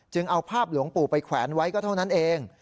เอาภาพหลวงปู่ไปแขวนไว้ก็เท่านั้นเอง